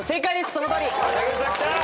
そのとおり。